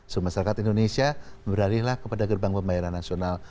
semua masyarakat indonesia beralihlah kepada gerbang pembayaran nasional